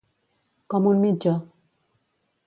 Com un mitjó.